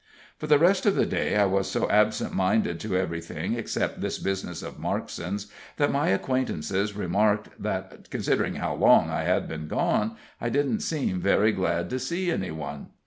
For the rest of the day I was so absent minded to everything except this business of Markson's that my acquaintances remarked that, considering how long I had been gone, I didn't seem very glad to see any one.